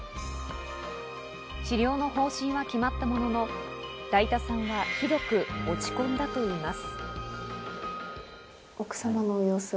治療の方針は決まったものの、だいたさんは、ひどく落ち込んだといいます。